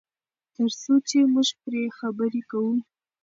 تر څو چې موږ پرې خبرې کوو.